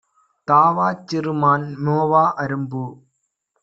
தாவாச் சிறுமான், மோவா அரும்பு!